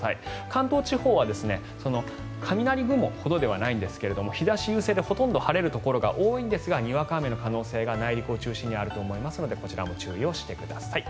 関東地方は雷雲ほどではないんですが日差し優勢でほとんど晴れるところが多いんですがにわか雨の可能性が内陸を中心にあると思いますのでこちらも注意をしてください。